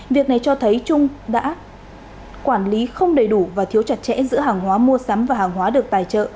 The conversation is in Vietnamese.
việc này cho thấy trung đã quản lý không đầy đủ và thiếu chặt chẽ giữa hàng hóa mua sắm và hàng hóa được tài trợ